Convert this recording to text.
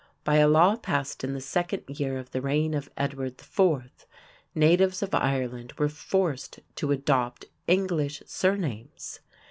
By a law passed in the second year of the reign of Edward IV., natives of Ireland were forced to adopt English surnames.